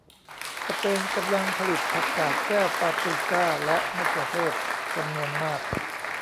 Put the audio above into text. สเปนกำลังผลิตผักกาดแก้วปาปริก้าและมะเขือเทศจำนวนมาก